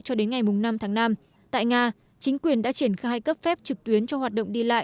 cho đến ngày năm tháng năm tại nga chính quyền đã triển khai cấp phép trực tuyến cho hoạt động đi lại